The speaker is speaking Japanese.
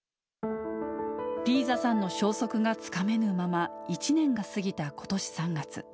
リーザさんの消息がつかめぬまま、１年が過ぎたことし３月。